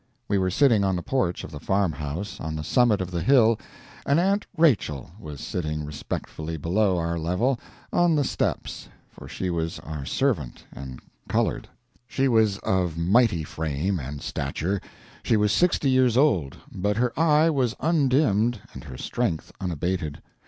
We were sitting on the porch of the farmhouse, on the summit of the hill, and "Aunt Rachel" was sitting respectfully below our level, on the steps for she was our Servant, and colored. She was of mighty frame and stature; she was sixty years old, but her eye was undimmed and her strength unabated.